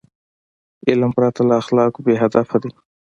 علم پرته له اخلاقو بېهدفه دی.